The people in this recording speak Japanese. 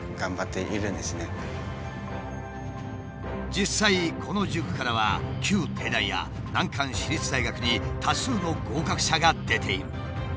実際この塾からは旧帝大や難関私立大学に多数の合格者が出ている。